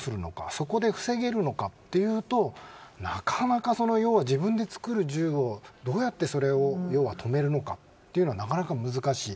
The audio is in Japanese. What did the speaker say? そこで防げるのかというとなかなか要は自分で作る銃をどうやってそれを止めるのかというのは、なかなか難しい。